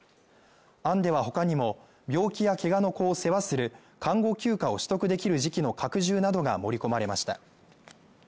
案では他にも、病気やけがの子を世話する看護休暇を取得できる時期の拡充などが盛り込まれました。